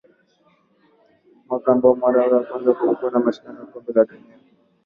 mwaka ambao kwa mara ya kwanza kulikuwa na mashindano ya Kombe la Dunia